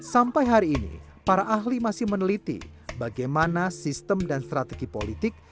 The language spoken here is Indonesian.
sampai hari ini para ahli masih meneliti bagaimana sistem dan strategi politik